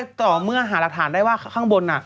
ต่อเมื่อหารักฐานได้ว่าข้างบน